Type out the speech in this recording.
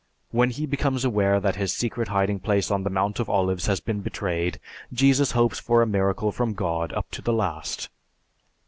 When he becomes aware that his secret hiding place on the Mount of Olives has been betrayed, Jesus hopes for a miracle from God up to the last.